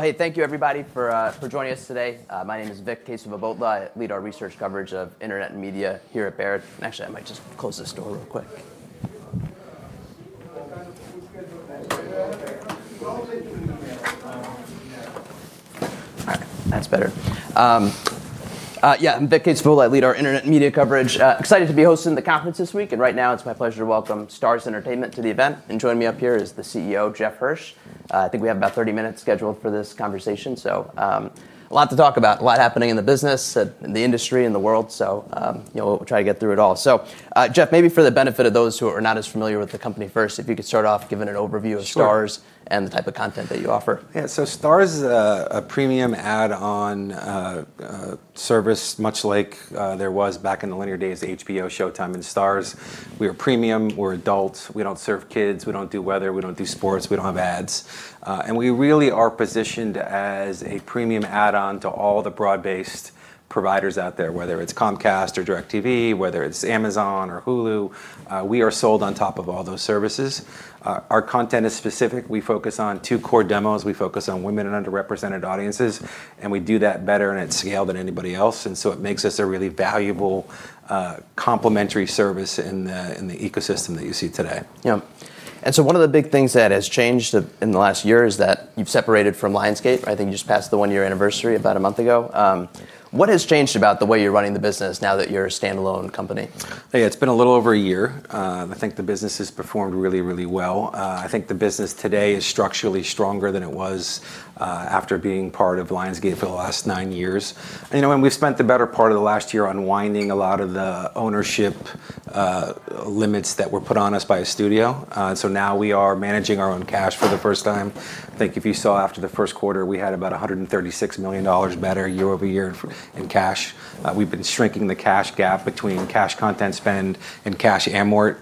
Hey, thank you everybody for joining us today. My name is Vik Kesavabhotla. I lead our research coverage of internet and media here at Baird. Actually, I might just close this door real quick. All right. That's better. I'm Vik Kesavabhotla. I lead our internet and media coverage. Excited to be hosting the conference this week, and right now it's my pleasure to welcome Starz Entertainment to the event. Joining me up here is the CEO, Jeff Hirsch. I think we have about 30 minutes scheduled for this conversation. A lot to talk about, a lot happening in the business, the industry, and the world. We'll try to get through it all. Jeff, maybe for the benefit of those who are not as familiar with the company, first, if you could start off giving an overview of Starz- Sure The type of content that you offer. Yeah. Starz is a premium add-on service, much like there was back in the linear days, HBO, Showtime, and Starz. We are premium. We're adults. We don't serve kids. We don't do weather. We don't do sports. We don't have ads. We really are positioned as a premium add-on to all the broad-based providers out there, whether it's Comcast or DirecTV, whether it's Amazon or Hulu. We are sold on top of all those services. Our content is specific. We focus on two core demos. We focus on women and underrepresented audiences, and we do that better and at scale than anybody else. It makes us a really valuable, complementary service in the ecosystem that you see today. Yeah. One of the big things that has changed in the last year is that you've separated from Lionsgate. I think you just passed the one-year anniversary about a month ago. What has changed about the way you're running the business now that you're a standalone company? Yeah, it's been a little over a year. I think the business has performed really, really well. I think the business today is structurally stronger than it was after being part of Lionsgate for the last nine years. We've spent the better part of the last year unwinding a lot of the ownership limits that were put on us by a studio. Now we are managing our own cash for the first time. I think if you saw after the first quarter, we had about $136 million better year-over-year in cash. We've been shrinking the cash gap between cash content spend and cash amort.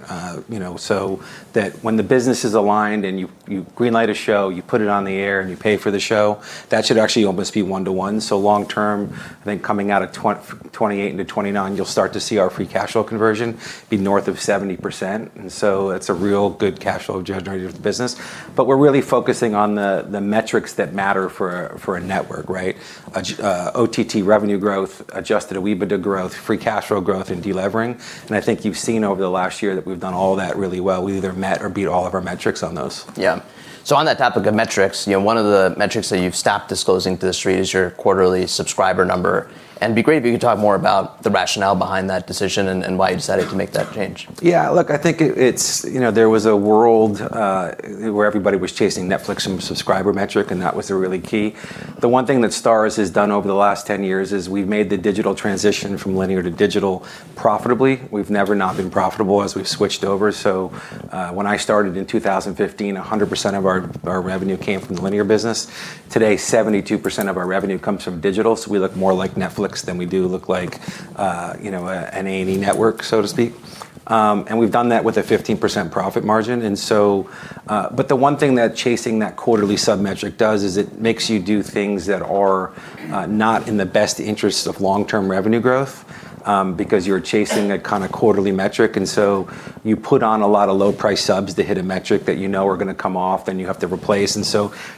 That when the business is aligned and you green light a show, you put it on the air, and you pay for the show, that should actually almost be one to one. Long term, I think coming out of 2028 into 2029, you'll start to see our free cash flow conversion be north of 70%. It's a real good cash flow generator for the business. We're really focusing on the metrics that matter for a network, right? OTT revenue growth, adjusted EBITDA growth, free cash flow growth, and delevering. I think you've seen over the last year that we've done all that really well. We either met or beat all of our metrics on those. Yeah. On that topic of metrics, one of the metrics that you've stopped disclosing to the street is your quarterly subscriber number. It'd be great if you could talk more about the rationale behind that decision and why you decided to make that change. Yeah, look, I think there was a world where everybody was chasing Netflix and subscriber metric, and that was a really key. The one thing that Starz has done over the last 10 years is we've made the digital transition from linear to digital profitably. We've never not been profitable as we've switched over. When I started in 2015, 100% of our revenue came from the linear business. Today, 72% of our revenue comes from digital, we look more like Netflix than we do look like an A&E network, so to speak. We've done that with a 15% profit margin. The one thing that chasing that quarterly sub metric does is it makes you do things that are not in the best interests of long-term revenue growth, because you're chasing a kind of quarterly metric. You put on a lot of low price subs to hit a metric that you know are going to come off and you have to replace.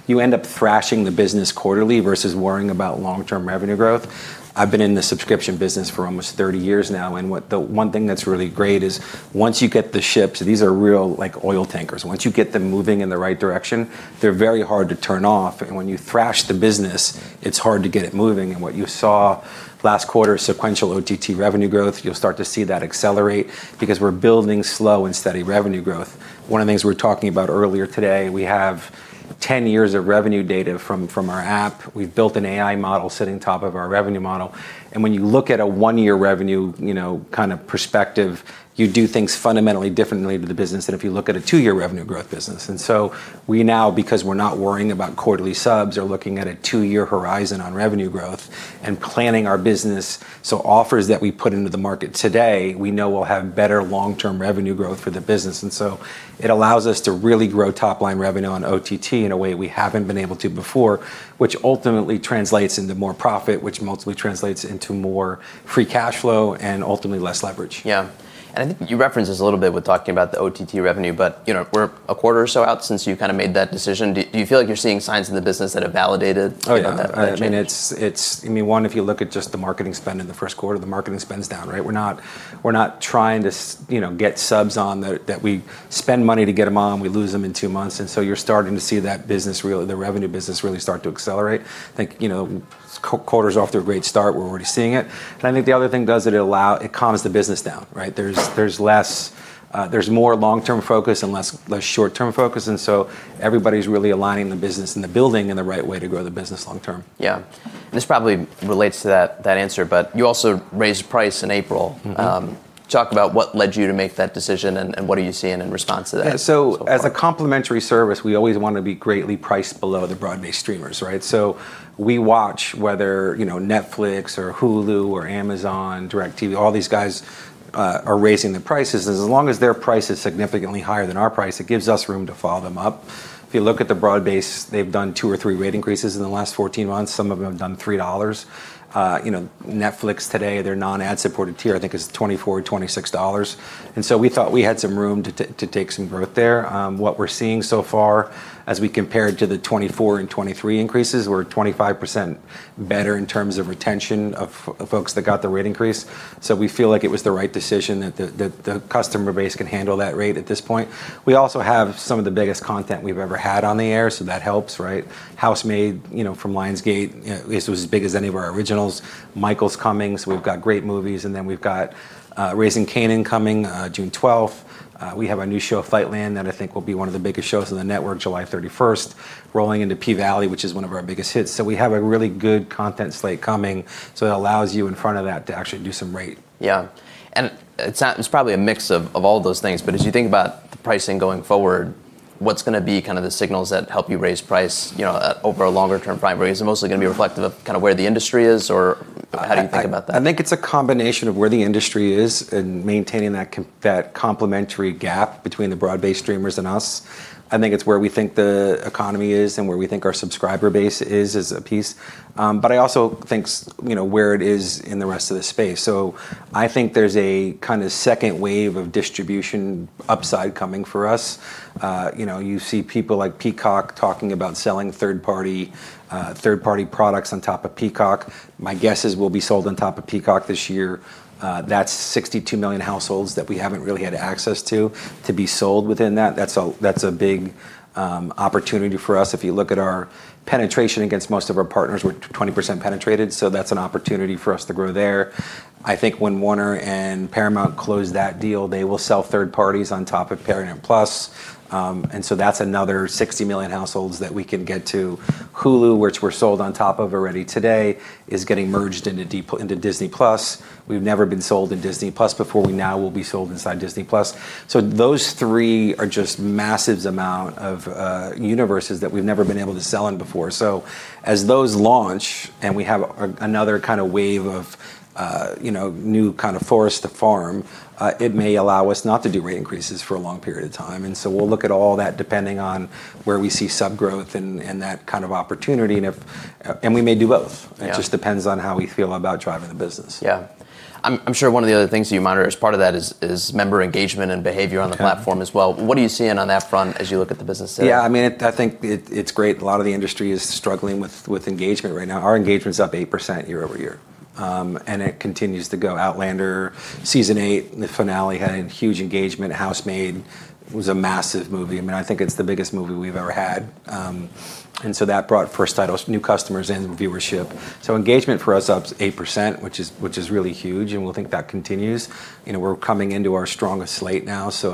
You end up thrashing the business quarterly versus worrying about long-term revenue growth. I've been in the subscription business for almost 30 years now, and the one thing that's really great is once you get the ships, these are real oil tankers. Once you get them moving in the right direction, they're very hard to turn off. When you thrash the business, it's hard to get it moving. What you saw last quarter, sequential OTT revenue growth, you'll start to see that accelerate because we're building slow and steady revenue growth. One of the things we were talking about earlier today, we have 10 years of revenue data from our app. We've built an AI model sitting top of our revenue model. When you look at a one-year revenue kind of perspective, you do things fundamentally differently to the business than if you look at a two-year revenue growth business. We now, because we're not worrying about quarterly subs or looking at a two-year horizon on revenue growth and planning our business, so offers that we put into the market today, we know will have better long-term revenue growth for the business. It allows us to really grow top-line revenue on OTT in a way we haven't been able to before, which ultimately translates into more profit, which ultimately translates into more free cash flow and ultimately less leverage. Yeah. I think you referenced this a little bit with talking about the OTT revenue, but we're a quarter or so out since you kind of made that decision. Do you feel like you're seeing signs in the business that have validated that change? Oh, yeah. I mean, one, if you look at just the marketing spend in the first quarter, the marketing spend's down, right? We're not trying to get subs on that we spend money to get them on. We lose them in two months. You're starting to see the revenue business really start to accelerate. I think quarter's off to a great start. We're already seeing it. I think the other thing it does, it calms the business down, right? There's more long-term focus and less short-term focus. Everybody's really aligning the business and the building in the right way to grow the business long term. Yeah. This probably relates to that answer, but you also raised price in April. Talk about what led you to make that decision, and what are you seeing in response to that so far? As a complementary service, we always want to be greatly priced below the broad-based streamers, right? We watch whether Netflix or Hulu or Amazon, DirecTV, all these guys are raising their prices. As long as their price is significantly higher than our price, it gives us room to follow them up. If you look at the broad base, they've done two or three rate increases in the last 14 months. Some of them have done $3.00. Netflix today, their non-ad supported tier, I think is $24, $26. We thought we had some room to take some growth there. What we're seeing so far as we compare it to the 2024 and 2023 increases, we're 25% better in terms of retention of folks that got the rate increase. We feel like it was the right decision, that the customer base can handle that rate at this point. We also have some of the biggest content we've ever had on the air, that helps, right? "The Housemaid" from Lionsgate, it was as big as any of our originals. Michael's coming, we've got great movies. We've got "Raising Kanan" coming June 12th. We have our new show, "Fightland" that I think will be one of the biggest shows on the network July 31st, rolling into "P-Valley," which is one of our biggest hits. We have a really good content slate coming, it allows you in front of that to actually do some rate. Yeah. It's probably a mix of all those things, but as you think about the pricing going forward. What's going to be the signals that help you raise price over a longer-term time frame? Is it mostly going to be reflective of where the industry is, or how do you think about that? I think it's a combination of where the industry is in maintaining that complementary gap between the broad-based streamers and us. I think it's where we think the economy is and where we think our subscriber base is a piece. I also think where it is in the rest of the space. I think there's a kind of second wave of distribution upside coming for us. You see people like Peacock talking about selling third-party products on top of Peacock. My guess is we'll be sold on top of Peacock this year. That's 62 million households that we haven't really had access to be sold within that. That's a big opportunity for us. If you look at our penetration against most of our partners, we're 20% penetrated, so that's an opportunity for us to grow there. I think when Warner and Paramount close that deal, they will sell third parties on top of Paramount+. That's another 60 million households that we can get to. Hulu, which we're sold on top of already today, is getting merged into Disney+. We've never been sold in Disney+ before. We now will be sold inside Disney+. Those three are just massive amount of universes that we've never been able to sell in before. As those launch and we have another kind of wave of new forest to farm, it may allow us not to do rate increases for a long period of time. We'll look at all that depending on where we see sub growth and that kind of opportunity. We may do both. Yeah. It just depends on how we feel about driving the business. Yeah. I'm sure one of the other things that you monitor as part of that is member engagement and behavior on-. Yeah the platform as well. What are you seeing on that front as you look at the business today? Yeah, I think it's great. A lot of the industry is struggling with engagement right now. Our engagement's up 8% year-over-year. It continues to go. "Outlander," season eight, the finale had a huge engagement. "The Housemaid" was a massive movie. I think it's the biggest movie we've ever had. That brought first titles, new customers in, viewership. Engagement for us up is 8%, which is really huge, and we'll think that continues. We're coming into our strongest slate now, so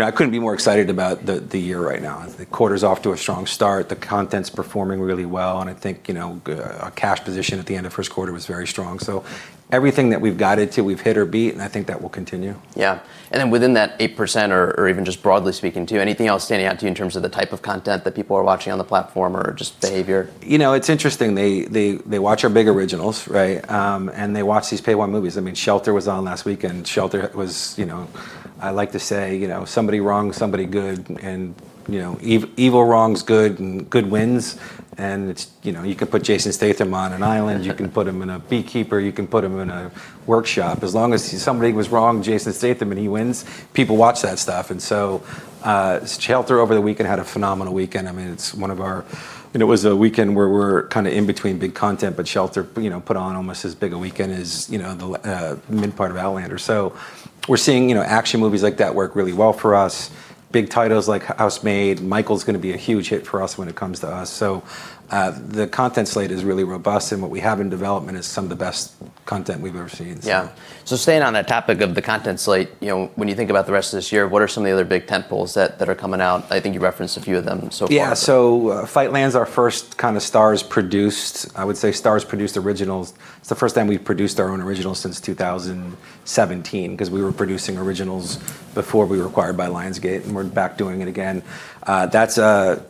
I couldn't be more excited about the year right now. The quarter's off to a strong start. The content's performing really well, and I think our cash position at the end of first quarter was very strong. Everything that we've guided to, we've hit or beat, and I think that will continue. Yeah. Within that 8% or even just broadly speaking too, anything else standing out to you in terms of the type of content that people are watching on the platform or just behavior? It's interesting. They watch these Pay 1 movies. Shelter was on last week, and Shelter was, I like to say, somebody wrongs somebody good, and evil wrongs good, and good wins. You can put Jason Statham on an island. You can put him in The Beekeeper. You can put him in a workshop. As long as somebody was wrong, Jason Statham, and he wins, people watch that stuff. Shelter over the weekend had a phenomenal weekend. It was a weekend where we're kind of in between big content, but Shelter put on almost as big a weekend as the mid part of Outlander. We're seeing action movies like that work really well for us. Big titles like The Housemaid. Michael's going to be a huge hit for us when it comes to us. The content slate is really robust, and what we have in development is some of the best content we've ever seen. Yeah. Staying on that topic of the content slate, when you think about the rest of this year, what are some of the other big tentpoles that are coming out? I think you referenced a few of them so far. Yeah. Fightland's our first kind of Starz produced, I would say, Starz produced originals. It's the first time we've produced our own originals since 2017, because we were producing originals before we were acquired by Lionsgate, and we're back doing it again. That's a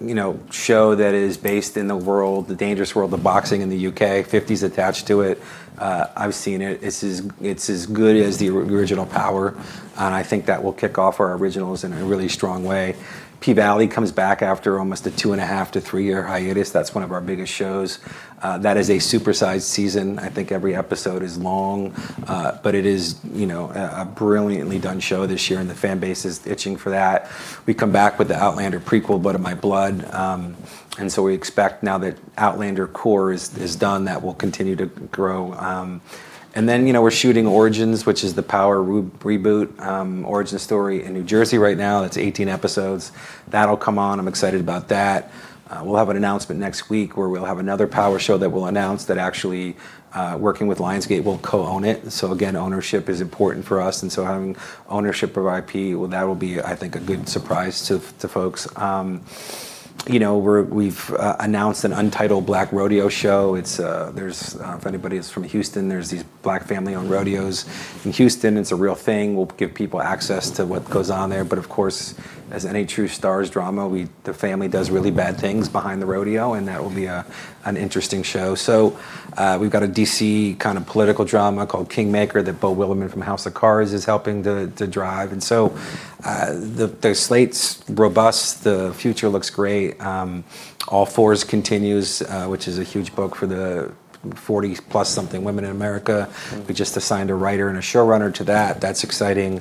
show that is based in the world, the dangerous world of boxing in the U.K., 50's attached to it. I've seen it. It's as good as the original Power, and I think that will kick off our originals in a really strong way. P-Valley comes back after almost a two and a half to three-year hiatus. That's one of our biggest shows. That is a super-sized season. I think every episode is long. It is a brilliantly done show this year, and the fan base is itching for that. We come back with the "Outlander" prequel, "Blood of My Blood." We expect now that "Outlander" core is done, that will continue to grow. Then, we're shooting "Origins," which is the "Power" reboot, origin story in New Jersey right now. It's 18 episodes. That'll come on. I'm excited about that. We'll have an announcement next week where we'll have another "Power" show that we'll announce that actually, working with Lionsgate, we'll co-own it. Again, ownership is important for us, having ownership of IP, well, that will be, I think, a good surprise to folks. We've announced an untitled "Black Rodeo" show. If anybody is from Houston, there's these Black family-owned rodeos in Houston. It's a real thing. We'll give people access to what goes on there. Of course, as any true Starz drama, the family does really bad things behind the rodeo, and that will be an interesting show. We've got a D.C. kind of political drama called "Kingmaker" that Beau Willimon from "House of Cards" is helping to drive. The slate's robust. The future looks great. "All Fours" continues, which is a huge book for the 40-plus something women in America. We just assigned a writer and a showrunner to that. That's exciting.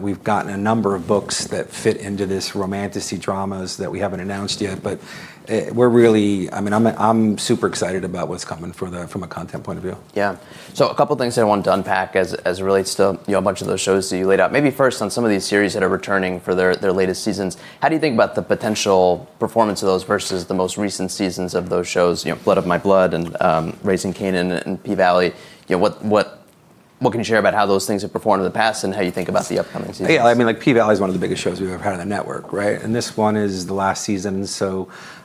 We've gotten a number of books that fit into this romantic-y dramas that we haven't announced yet, but I'm super excited about what's coming from a content point of view. Yeah. A couple of things that I wanted to unpack as it relates to a bunch of those shows that you laid out. Maybe first on some of these series that are returning for their latest seasons, how do you think about the potential performance of those versus the most recent seasons of those shows, "Blood of My Blood" and "Raising Kanan" and "P-Valley"? What can you share about how those things have performed in the past and how you think about the upcoming season? I mean, "P-Valley" is one of the biggest shows we've ever had on the network, right? This one is the last season,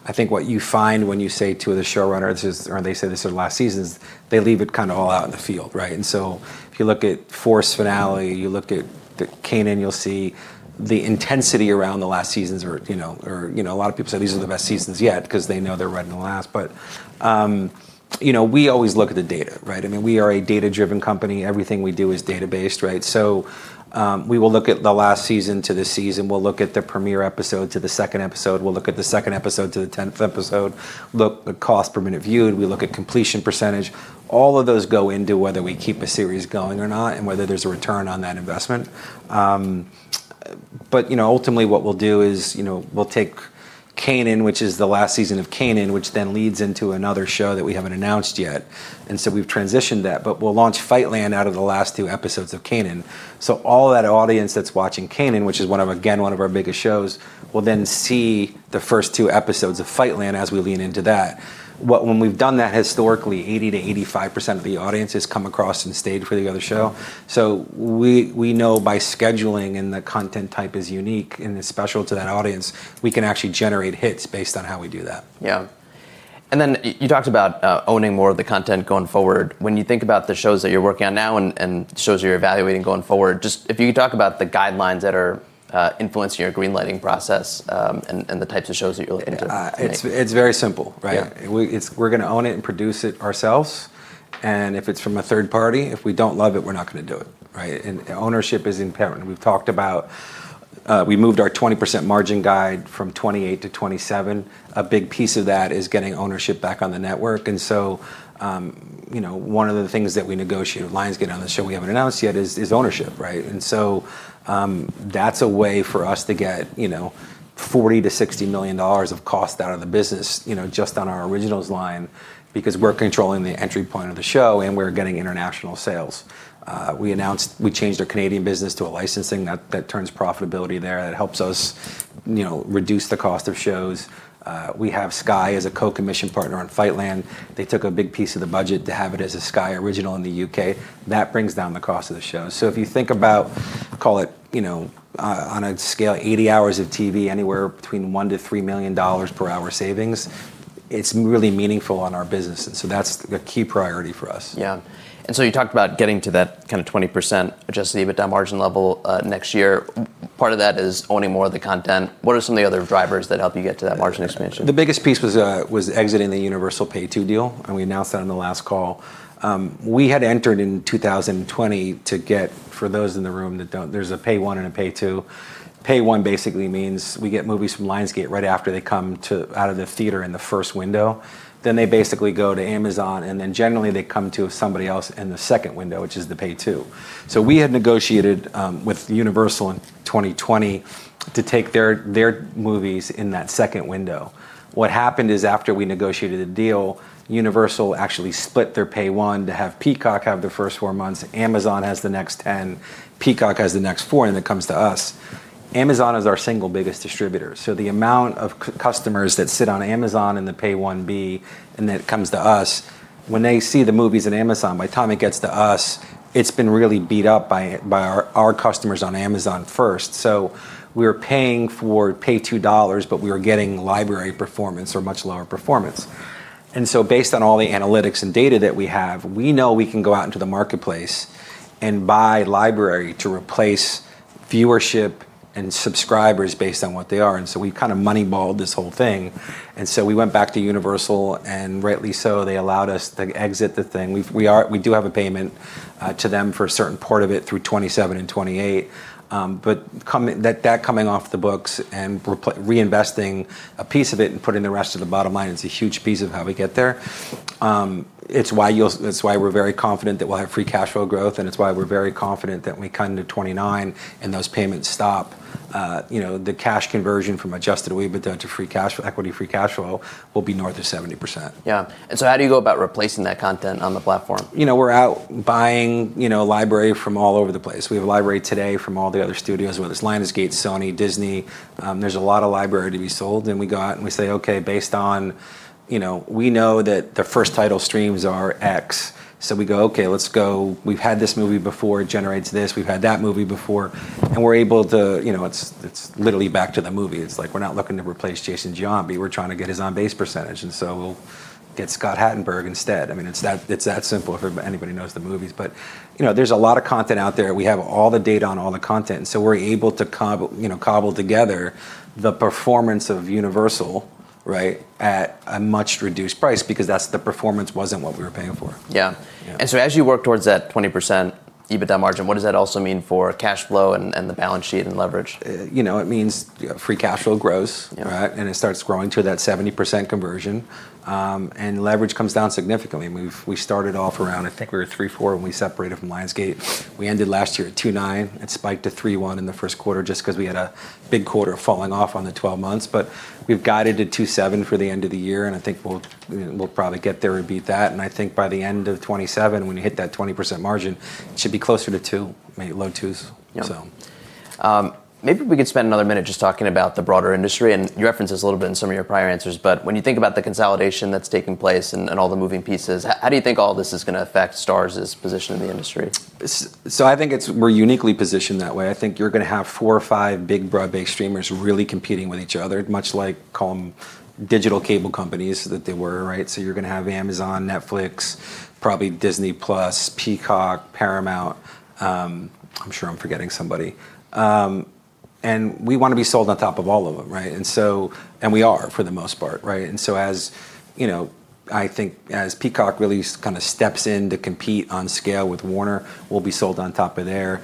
I think what you find when you say to the showrunners is, or they say this is the last season, is they leave it kind of all out in the field, right? If you look at "Force" finale, you look at "Kanan", you'll see the intensity around the last seasons. A lot of people say these are the best seasons yet because they know they're riding the last. We always look at the data, right? I mean, we are a data-driven company. Everything we do is data-based, right? We will look at the last season to the season. We'll look at the premiere episode to the second episode. We'll look at the second episode to the 10th episode, look at cost per minute viewed, we look at completion percentage. All of those go into whether we keep a series going or not, and whether there's a return on that investment. Ultimately, what we'll do is, we'll take Kanan, which is the last season of Kanan, which then leads into another show that we haven't announced yet. We've transitioned that, but we'll launch Fightland out of the last two episodes of Kanan. All that audience that's watching Kanan, which is, again, one of our biggest shows, will then see the first two episodes of Fightland as we lean into that. When we've done that historically, 80%-85% of the audience has come across and stayed for the other show. We know by scheduling and the content type is unique and is special to that audience, we can actually generate hits based on how we do that. Yeah. You talked about owning more of the content going forward. When you think about the shows that you're working on now and shows you're evaluating going forward, if you could talk about the guidelines that are influencing your green lighting process, and the types of shows that you're looking to make? It's very simple, right? Yeah. We're going to own it and produce it ourselves, and if it's from a third party, if we don't love it, we're not going to do it. Right? Ownership is imperative. We've talked about how we moved our 20% margin guide from 28-27. A big piece of that is getting ownership back on the network. One of the things that we negotiate with Lionsgate on the show we haven't announced yet is ownership, right? That's a way for us to get $40 million-$60 million of cost out of the business just on our originals line, because we're controlling the entry point of the show and we're getting international sales. We changed our Canadian business to a licensing that turns profitability there, that helps us reduce the cost of shows. We have Sky as a co-commission partner on "Fightland." They took a big piece of the budget to have it as a Sky original in the U.K. That brings down the cost of the show. If you think about, call it, on a scale, 80 hours of TV, anywhere between $1 million-$3 million per hour savings, it's really meaningful on our business. That's the key priority for us. Yeah. You talked about getting to that kind of 20% adjusted EBITDA margin level next year. Part of that is owning more of the content. What are some of the other drivers that help you get to that margin expansion? The biggest piece was exiting the Universal Pay-2 deal. We announced that on the last call. We had entered in 2020 to get, for those in the room that don't, there's a Pay-1 and a Pay-1. Pay-1 basically means we get movies from Lionsgate right after they come out of the theater in the first window. They basically go to Amazon. Generally they come to somebody else in the second window, which is the Pay-2. We had negotiated with Universal in 2020 to take their movies in that second window. What happened is after we negotiated a deal, Universal actually split their Pay-1 to have Peacock have the first four months, Amazon has the next 10, Peacock has the next four. Then it comes to us. Amazon is our single biggest distributor, so the amount of customers that sit on Amazon in the Pay-1B, and then it comes to us, when they see the movies at Amazon, by the time it gets to us, it's been really beat up by our customers on Amazon first. We are paying for Pay-2 dollars, but we are getting library performance or much lower performance. Based on all the analytics and data that we have, we know we can go out into the marketplace and buy library to replace viewership and subscribers based on what they are. We kind of money balled this whole thing, and so we went back to Universal, and rightly so, they allowed us to exit the thing. We do have a payment to them for a certain part of it through 2027 and 2028. That coming off the books and reinvesting a piece of it and putting the rest to the bottom line is a huge piece of how we get there. It's why we're very confident that we'll have free cash flow growth, and it's why we're very confident that when we come to 2029 and those payments stop, the cash conversion from adjusted EBITDA to equity free cash flow will be north of 70%. Yeah. How do you go about replacing that content on the platform? We're out buying library from all over the place. We have a library today from all the other studios, whether it's Lionsgate, Sony, Disney. There's a lot of library to be sold, and we go out and we say, okay, based on we know that the first title streams are X. We go, "Okay, let's go." We've had this movie before. It generates this. We've had that movie before and it's literally back to the movie. It's like we're not looking to replace Jason Giambi. We're trying to get his on-base percentage, and so we'll get Scott Hatteberg instead. I mean, it's that simple if anybody knows the movies. There's a lot of content out there. We have all the data on all the content, and so we're able to cobble together the performance of Universal, right? At a much-reduced price, because the performance wasn't what we were paying for. Yeah. Yeah. As you work towards that 20% EBITDA margin, what does that also mean for cash flow and the balance sheet and leverage? It means free cash flow growth. Yeah. Right. It starts growing to that 70% conversion. Leverage comes down significantly. We started off around, I think we were at 3.4 when we separated from Lionsgate. We ended last year at 2.9. It spiked to 3.1 in the first quarter just because we had a big quarter falling off on the 12 months. We've guided to 2.7 for the end of the year, and I think we'll probably get there and beat that. I think by the end of 2027, when we hit that 20% margin, it should be closer to two, maybe low twos. Maybe we could spend another minute just talking about the broader industry, and you referenced this a little bit in some of your prior answers, but when you think about the consolidation that's taking place and all the moving pieces, how do you think all this is going to affect Starz's position in the industry? I think we're uniquely positioned that way. I think you're going to have four or five big broad-based streamers really competing with each other, much like, call them digital cable companies that they were. You're going to have Amazon, Netflix, probably Disney+, Peacock, Paramount. I'm sure I'm forgetting somebody. We want to be sold on top of all of them, right? We are for the most part. As Peacock really kind of steps in to compete on scale with Warner, we'll be sold on top of their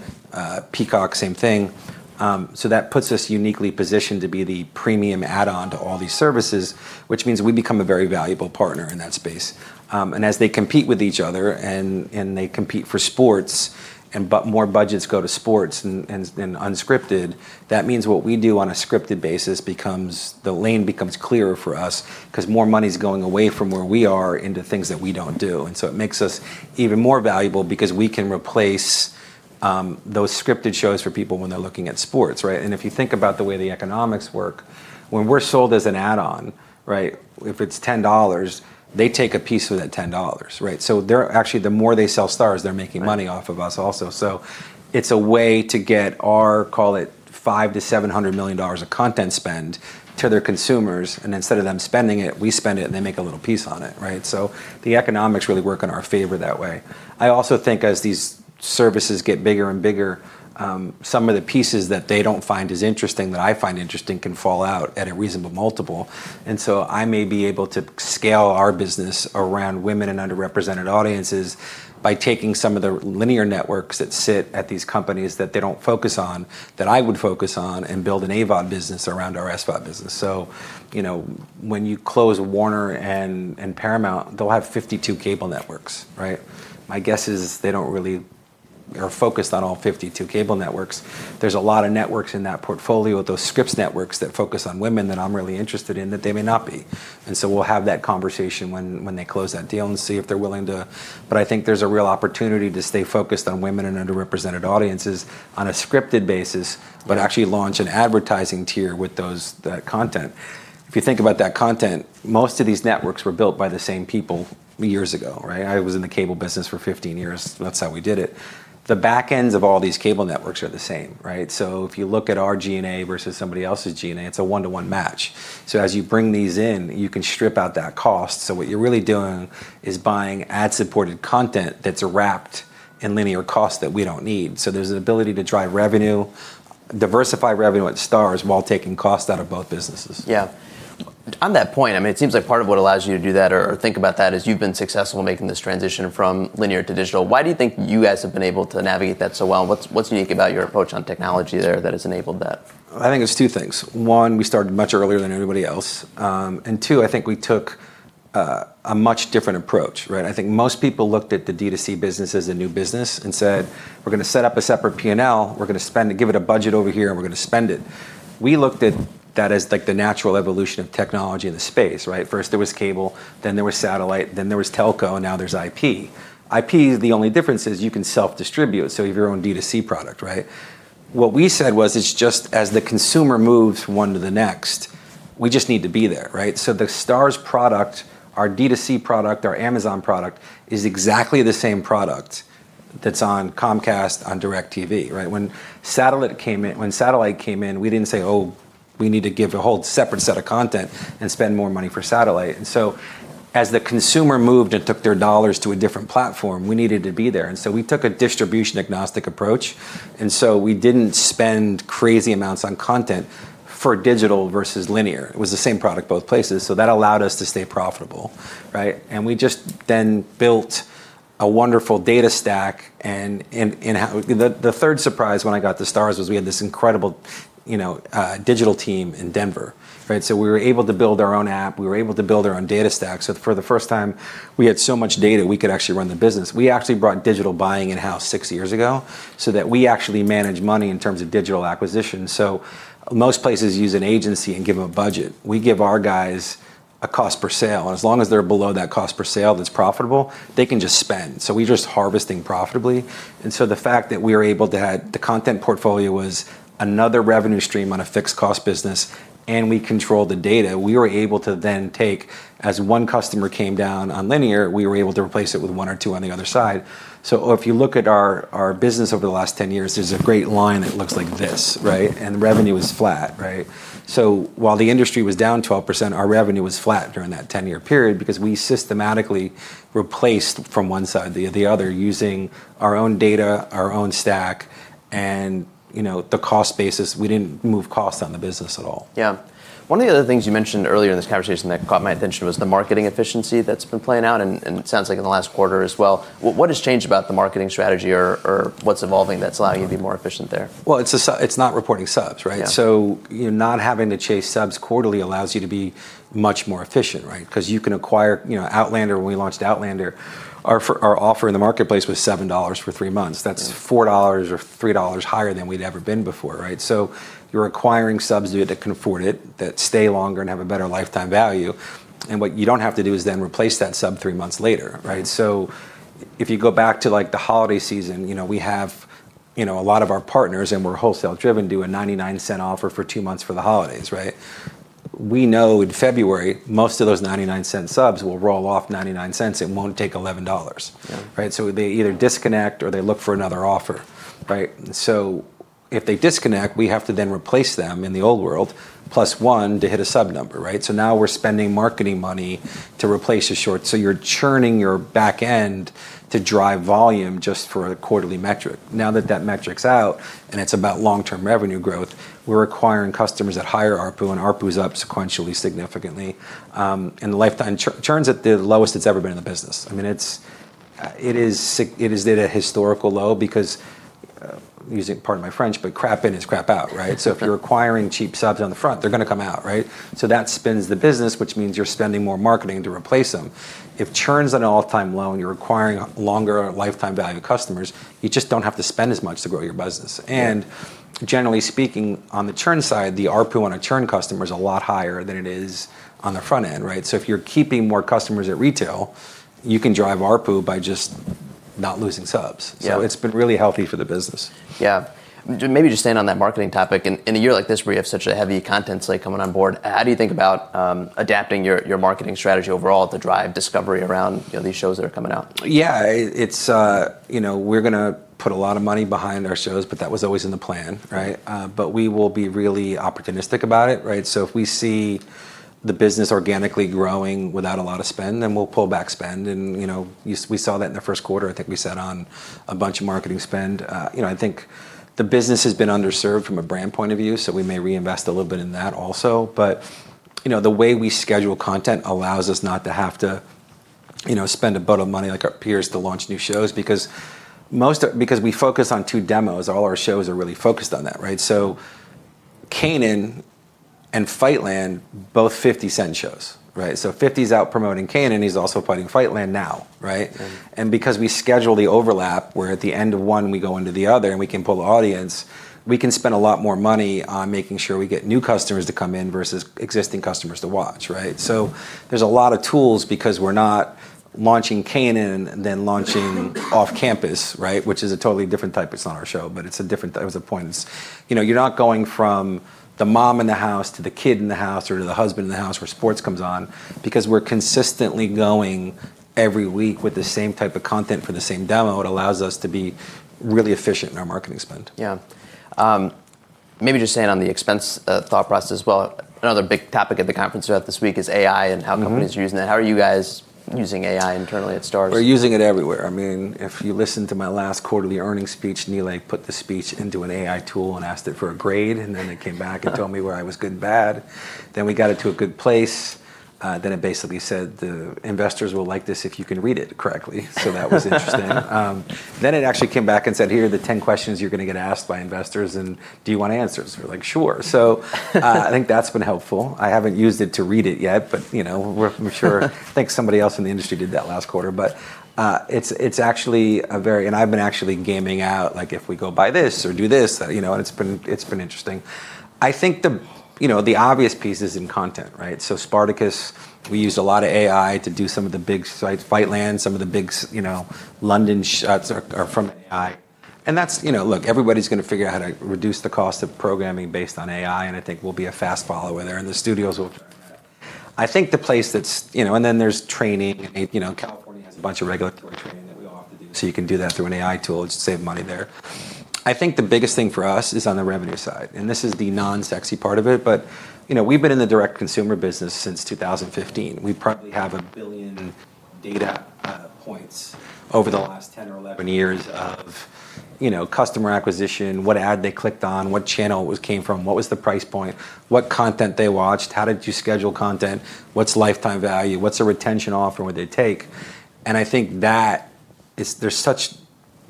Peacock, same thing. That puts us uniquely positioned to be the premium add-on to all these services, which means we become a very valuable partner in that space. As they compete with each other and they compete for sports, more budgets go to sports than unscripted, that means what we do on a scripted basis, the lane becomes clearer for us because more money's going away from where we are into things that we don't do. It makes us even more valuable because we can replace those scripted shows for people when they're looking at sports. If you think about the way the economics work, when we're sold as an add-on, if it's $10, they take a piece of that $10. Actually, the more they sell Starz, they're making money off of us also. It's a way to get our, call it $500 million-$700 million of content spend to their consumers, and instead of them spending it, we spend it, and they make a little piece on it. The economics really work in our favor that way. I also think as these services get bigger and bigger, some of the pieces that they don't find as interesting that I find interesting can fall out at a reasonable multiple. I may be able to scale our business around women and underrepresented audiences by taking some of the linear networks that sit at these companies that they don't focus on, that I would focus on, and build an AVOD business around our SVOD business. When you close Warner and Paramount, they'll have 52 cable networks, right? My guess is they're focused on all 52 cable networks. There's a lot of networks in that portfolio, those Scripps Networks that focus on women that I'm really interested in, that they may not be. We'll have that conversation when they close that deal and see if they're willing to. I think there's a real opportunity to stay focused on women and underrepresented audiences on a scripted basis, actually launch an advertising tier with that content. If you think about that content, most of these networks were built by the same people years ago, right? I was in the cable business for 15 years. That's how we did it. The back ends of all these cable networks are the same. If you look at our G&A versus somebody else's G&A, it's a one-to-one match. As you bring these in, you can strip out that cost. What you're really doing is buying ad-supported content that's wrapped in linear cost that we don't need. There's an ability to drive revenue, diversify revenue at Starz while taking cost out of both businesses. Yeah. On that point, it seems like part of what allows you to do that or think about that is you've been successful making this transition from linear to digital. Why do you think you guys have been able to navigate that so well, and what's unique about your approach on technology there that has enabled that? I think it's two things. One, we started much earlier than anybody else. Two, I think we took a much different approach. I think most people looked at the D2C business as a new business and said, "We're going to set up a separate P&L. We're going to give it a budget over here, and we're going to spend it." We looked at that as the natural evolution of technology in the space. First there was cable, then there was satellite, then there was telco, and now there's IP. IP, the only difference is you can self-distribute, so you have your own D2C product. What we said was it's just as the consumer moves one to the next, we just need to be there. The Starz product, our D2C product, our Amazon product, is exactly the same product that's on Comcast, on DirecTV. When satellite came in, we didn't say, "Oh, we need to give a whole separate set of content and spend more money for satellite." As the consumer moved and took their dollars to a different platform, we needed to be there. We took a distribution agnostic approach. We didn't spend crazy amounts on content for digital versus linear. It was the same product both places. That allowed us to stay profitable. We just then built a wonderful data stack. The third surprise when I got to Starz was we had this incredible digital team in Denver. We were able to build our own app. We were able to build our own data stack. For the first time, we had so much data, we could actually run the business. We actually brought digital buying in-house six years ago so that we actually manage money in terms of digital acquisition. Most places use an agency and give them a budget. We give our guys a cost per sale, and as long as they're below that cost per sale that's profitable, they can just spend. We're just harvesting profitably. The fact that we were able to add the content portfolio was another revenue stream on a fixed cost business, and we controlled the data, we were able to then take, as one customer came down on linear, we were able to replace it with one or two on the other side. If you look at our business over the last 10 years, there's a great line that looks like this. Revenue was flat. While the industry was down 12%, our revenue was flat during that 10-year period because we systematically replaced from one side to the other using our own data, our own stack, and the cost basis. We didn't move costs on the business at all. Yeah. One of the other things you mentioned earlier in this conversation that caught my attention was the marketing efficiency that's been playing out, and it sounds like in the last quarter as well. What has changed about the marketing strategy or what's evolving that's allowing you to be more efficient there? Well, it's not reporting subs. Yeah. Not having to chase subs quarterly allows you to be much more efficient. You can acquire "Outlander," when we launched "Outlander," our offer in the marketplace was $7 for three months. That's $4 or $3 higher than we'd ever been before. You're acquiring subs that can afford it, that stay longer and have a better lifetime value. What you don't have to do is then replace that sub three months later. If you go back to the holiday season, we have a lot of our partners, and we're wholesale-driven, do a $0.99 offer for two months for the holidays. We know in February, most of those $0.99 subs will roll off $0.99 and won't take $11. Yeah. They either disconnect or they look for another offer. If they disconnect, we have to then replace them in the old world, plus one, to hit a sub number. Now we're spending marketing money to replace a short. You're churning your back end to drive volume just for a quarterly metric. Now that that metric's out and it's about long-term revenue growth, we're acquiring customers at higher ARPU, and ARPU is up sequentially significantly. The lifetime churn's at the lowest it's ever been in the business. It is at a historical low because, pardon my French, but crap in is crap out. Yeah. If you're acquiring cheap subs on the front, they're going to come out. That spins the business, which means you're spending more marketing to replace them. If churn's at an all-time low and you're acquiring a longer lifetime value customers, you just don't have to spend as much to grow your business. Yeah. Generally speaking, on the churn side, the ARPU on a churn customer is a lot higher than it is on the front end. If you're keeping more customers at retail, you can drive ARPU by just not losing subs. Yeah. It's been really healthy for the business. Yeah. Maybe just staying on that marketing topic, in a year like this where you have such a heavy content slate coming on board, how do you think about adapting your marketing strategy overall to drive discovery around these shows that are coming out? Yeah. We're going to put a lot of money behind our shows, but that was always in the plan. We will be really opportunistic about it. If we see the business organically growing without a lot of spend, then we'll pull back spend. We saw that in the first quarter. I think we sat on a bunch of marketing spend. I think the business has been underserved from a brand point of view, so we may reinvest a little bit in that also. The way we schedule content allows us not to have to spend a boat of money like our peers to launch new shows because we focus on two demos. All our shows are really focused on that. Kanan and Fightland, both Curtis Jackson shows. 50's out promoting Kanan, he's also promoting Fightland now. Yeah. Because we schedule the overlap, where at the end of one we go into the other and we can pull the audience, we can spend a lot more money on making sure we get new customers to come in versus existing customers to watch. There's a lot of tools because we're not launching "Kanan" and then launching "Off Campus" which is a totally different type. It's not our show. That was the point is you're not going from the mom in the house to the kid in the house or to the husband in the house where sports comes on, because we're consistently going every week with the same type of content for the same demo. It allows us to be really efficient in our marketing spend. Yeah. Maybe just staying on the expense thought process as well. Another big topic at the conference throughout this week is AI. are using that. How are you guys using AI internally at Starz? We're using it everywhere. If you listen to my last quarterly earnings speech, Nilay put the speech into an AI tool and asked it for a grade, and then it came back and told me where I was good and bad. We got it to a good place. It basically said the investors will like this if you can read it correctly. That was interesting. It actually came back and said, "Here are the 10 questions you're going to get asked by investors. Do you want answers?" We're like, "Sure." I think that's been helpful. I haven't used it to read it yet, but I think somebody else in the industry did that last quarter. I've been actually gaming out, if we go by this or do this, and it's been interesting. I think the obvious piece is in content. Spartacus," we used a lot of AI to do some of the big sites. "Fightland," some of the big London shots are from AI. Look, everybody's going to figure out how to reduce the cost of programming based on AI, and I think we'll be a fast follower there, and the studios will. There's training. California has a bunch of regulatory training that we all have to do. You can do that through an AI tool. It should save money there. I think the biggest thing for us is on the revenue side, and this is the non-sexy part of it, but we've been in the direct consumer business since 2015. We probably have 1 billion data points over the last 10 or 11 years of customer acquisition, what ad they clicked on, what channel it came from, what was the price point, what content they watched, how did you schedule content, what's lifetime value, what's a retention offer, would they take? I think that there's such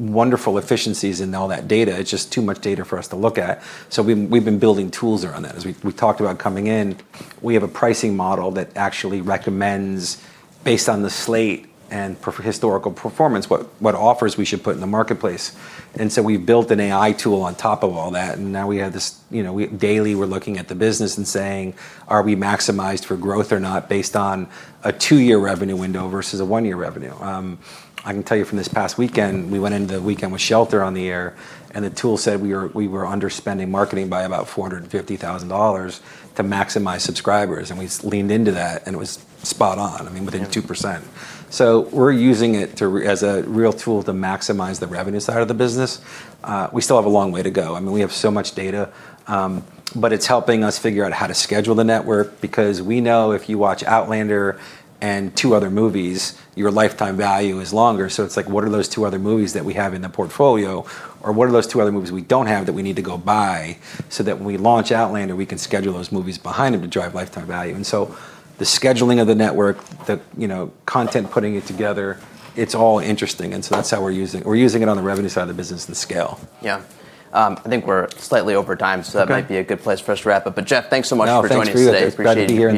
wonderful efficiencies in all that data. It's just too much data for us to look at. We've been building tools around that. As we talked about coming in, we have a pricing model that actually recommends, based on the slate and historical performance, what offers we should put in the marketplace. We've built an AI tool on top of all that, and now daily, we're looking at the business and saying, are we maximized for growth or not based on a two-year revenue window versus a one-year revenue? I can tell you from this past weekend, we went into the weekend with "Shelter" on the air, and the tool said we were underspending marketing by about $450,000 to maximize subscribers. We leaned into that, and it was spot on, within 2%. We're using it as a real tool to maximize the revenue side of the business. We still have a long way to go. We have so much data. It's helping us figure out how to schedule the network, because we know if you watch "Outlander" and two other movies, your lifetime value is longer. What are those two other movies that we have in the portfolio? What are those two other movies we don't have that we need to go buy so that when we launch "Outlander," we can schedule those movies behind them to drive lifetime value. The scheduling of the network, the content, putting it together, it's all interesting. That's how we're using it. We're using it on the revenue side of the business and the scale. Yeah. I think we're slightly over time. Okay That might be a good place for us to wrap up. Jeff, thanks so much for joining us today. No, thanks to you. Appreciate it.